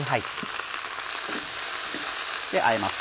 あえます。